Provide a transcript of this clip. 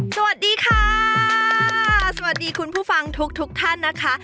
สวัสดีค่ะสวัสดีคุณผู้ฟังทุกทุกท่านนะคะ